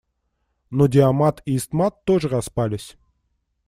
Но диамат и истмат тоже распались.